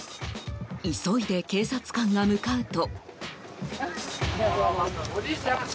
急いで警察官が向かうと。